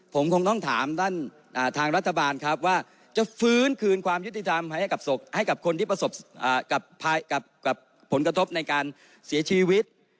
ผมคงต้องถามท่านทางรัฐบาลครับว่าจะฟื้นคืนความยุติธรรมให้กับคนที่ประสบกับผลกระทบในการเสียชีวิต